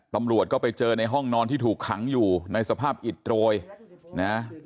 ตำรวจก็ไปเจอในห้องนอนที่ถูกขังอยู่ในสภาพอิดโรยนะ